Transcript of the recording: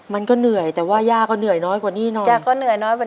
มันก็เหนื่อยแต่ว่าย่าก็เหนื่อยน้อยกว่านี่น้อย